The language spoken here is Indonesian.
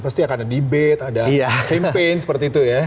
pasti ya karena debate ada campaign seperti itu ya